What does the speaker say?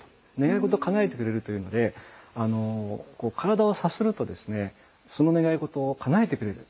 願い事をかなえてくれるというのでこう体をさするとですねその願い事をかなえてくれる。